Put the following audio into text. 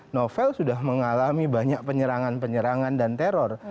novel sudah mengalami banyak penyerangan penyerangan dan teror